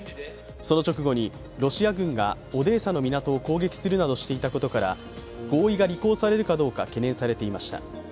その直後にロシア軍がオデーサの港を攻撃するなどしていたことから合意が履行されるかどうか懸念されていました。